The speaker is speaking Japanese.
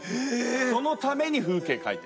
そのために風景描いてる。